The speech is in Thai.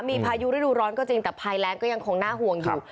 มีพายุฤดูร้อนก็จริงแต่ภัยแรงก็ยังคงน่าห่วงอยู่